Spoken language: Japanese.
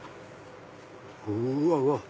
うわうわっ！